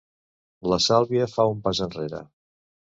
La Sàlvia fa un pas enrere.